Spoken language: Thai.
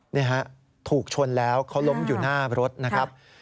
นี่ฮะถูกชนแล้วเขาล้มอยู่หน้ารถนะครับ